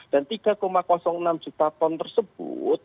dan tiga enam juta ton tersebut